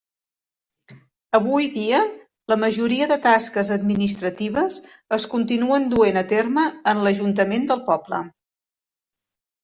Avui dia, la majoria de tasques administratives es continuen duent a terme en l'ajuntament del poble.